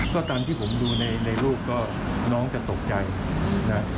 ก็ตามที่ผมดูในรูปก็น้องจะตกใจนะ